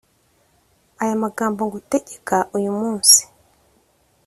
aya magambo ngutegeka uyu munsi